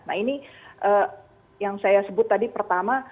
nah ini yang saya sebut tadi pertama